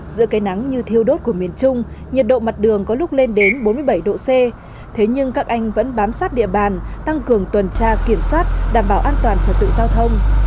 giữa cây nắng như thiêu đốt của miền trung nhiệt độ mặt đường có lúc lên đến bốn mươi bảy độ c thế nhưng các anh vẫn bám sát địa bàn tăng cường tuần tra kiểm soát đảm bảo an toàn trật tự giao thông